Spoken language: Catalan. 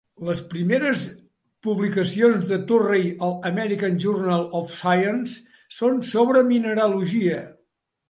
Les primeres publicacions de Torrey al "American Journal of Science" són sobre mineralogia.